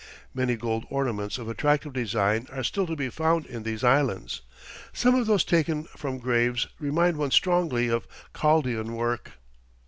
Many gold ornaments of attractive design are still to be found in these islands. Some of those taken from graves remind one strongly of Chaldean work.